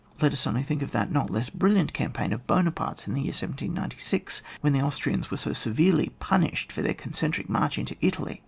Let us only think of the not less brilliant campaign of Buonaparte's, in the year 1796, when the Austrians were so severely punished for their con centric march into Italy.